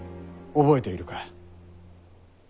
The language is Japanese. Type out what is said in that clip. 覚えているか？